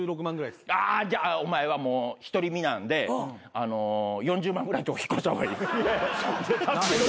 あじゃあお前はもう独り身なんで４０万ぐらいのとこ引っ越した方がいい。